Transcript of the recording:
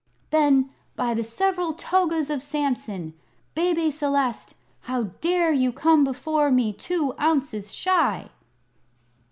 "Then, by the several togas of Samson, Bebe Celeste, how dare you come before me two ounces shy?"